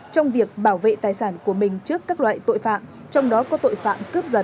trong việc bảo vệ tài sản của mình trước các loại tội phạm trong đó có tội phạm cướp giật